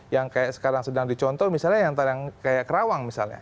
yang sekarang sedang dicontoh misalnya yang terang kayak kerawang misalnya